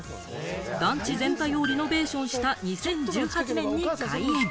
団地全体をリノベーションした２０１８年に開園。